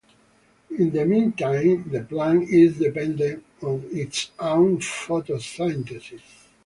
In the mean time the plant is dependent on its own photosynthesis.